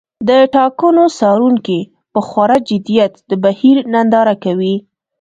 د ټاکنو څارونکي په خورا جدیت د بهیر ننداره کوي.